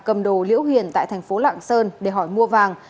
cầm đồ liễu hiền tại tp lạng sơn để hỏi mua vàng